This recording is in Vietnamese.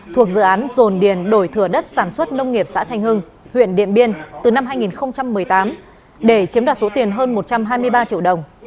thuộc dự án dồn điền đổi thừa đất sản xuất nông nghiệp xã thanh hưng huyện điện biên từ năm hai nghìn một mươi tám để chiếm đoạt số tiền hơn một trăm hai mươi ba triệu đồng